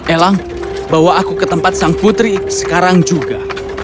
elang bawa aku ke tempat sang putri sekarang juga